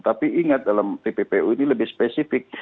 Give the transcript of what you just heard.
tapi ingat dalam tppu ini lebih spesifik